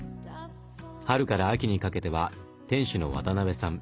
春から秋にかけては店主の渡辺さん